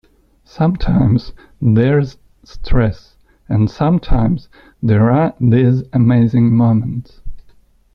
Sometimes there's stress and sometimes there are these amazing moments.